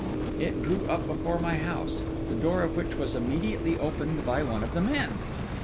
It drew up before my house, the door of which was immediately opened by one of the men.